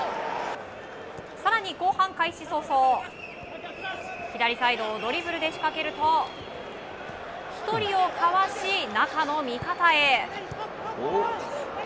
更に、後半開始早々左サイドをドリブルで仕掛けると１人をかわし、中の味方へ。